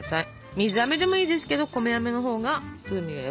水あめでもいいですけど米あめのほうが風味がよくなります。